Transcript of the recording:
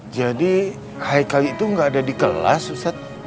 jadi haikal itu gak ada di kelas ustaz